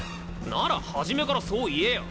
なら初めからそう言えよ！